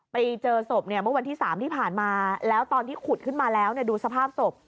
ไปเจอศพเนี่ยเมื่อวันที่๓ที่ผ่านมาแล้วตอนที่ขุดขึ้นมาแล้วดูสภาพศพ